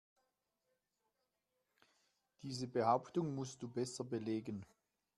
Diese Behauptung musst du besser belegen.